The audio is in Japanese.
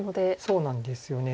そうなんですよね。